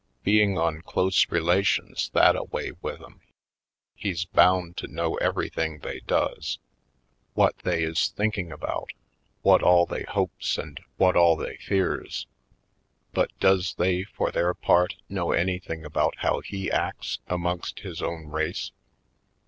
Being on close rela tions that a v/ay with 'em he's bound to know everything they does — what they is 116 J. Poindexter, Colored thinking about, what all they hopes and what all they fears. But does they, for their part, know anything about how he acts amongst his own race?